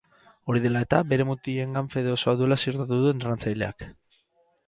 Hori dela eta bere mutilengan fede osoa duela ziurtatu du entrenatzaileak.